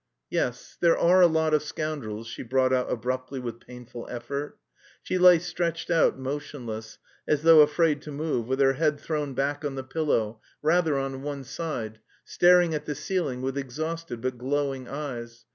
"Yes, there are a lot of scoundrels," she brought out abruptly with painful effort. She lay stretched out, motionless, as though afraid to move, with her head thrown back on the pillow, rather on one side, staring at the ceiling with exhausted but glowing eyes.